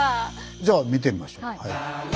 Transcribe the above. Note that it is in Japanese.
じゃあ見てみましょう。